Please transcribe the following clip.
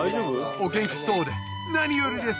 お元気そうで何よりです